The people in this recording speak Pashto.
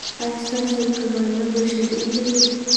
ایا ستاسو قباله به شرعي نه وي؟